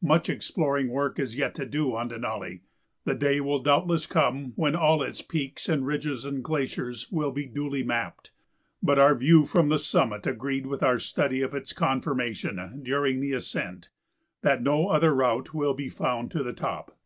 Much exploring work is yet to do on Denali; the day will doubtless come when all its peaks and ridges and glaciers will be duly mapped, but our view from the summit agreed with our study of its conformation during the ascent, that no other route will be found to the top.